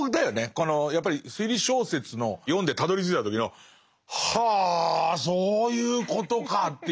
このやっぱり推理小説の読んでたどりついた時のはそういうことかっていう。